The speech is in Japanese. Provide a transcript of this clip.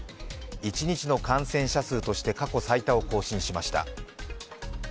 一日の感染者数として過去最多を更新しました。